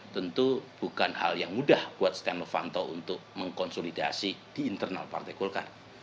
tentu bukan hal yang mudah buat setia novanto untuk mengkonsolidasi di internal partai golkar